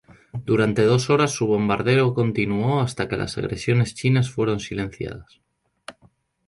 Durante dos horas, su bombardeo continuó hasta que las agresiones chinas fueron silenciadas.